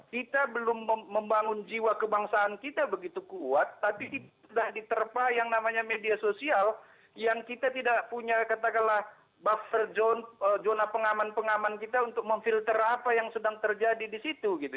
kita belum membangun jiwa kebangsaan kita begitu kuat tapi sudah diterpa yang namanya media sosial yang kita tidak punya katakanlah buffer zona pengaman pengaman kita untuk memfilter apa yang sedang terjadi di situ gitu